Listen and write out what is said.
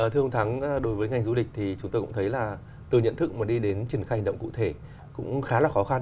thưa ông thắng đối với ngành du lịch thì chúng tôi cũng thấy là từ nhận thức mà đi đến triển khai hành động cụ thể cũng khá là khó khăn